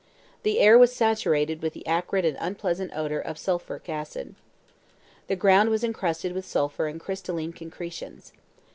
The air was saturated with the acrid and unpleasant odor of sulphurous acid. The ground was encrusted with sulphur and crystalline concretions.